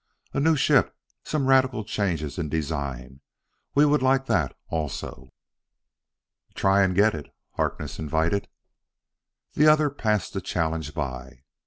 "A new ship; some radical changes in design. We would like that also." "Try and get it," Harkness invited. The other passed that challenge by.